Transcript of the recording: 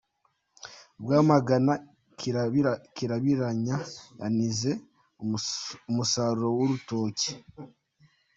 Rwamagana Kirabiranya yanize umusaruro w’urutoki